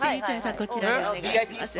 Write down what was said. こちらにお願いします。